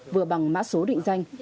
vừa bằng mã số định danh